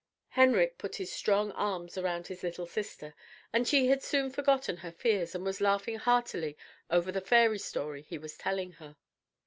Henrik put his strong arms around his little sister, and she had soon forgotten her fears and was laughing heartily over the fairy story he was telling her.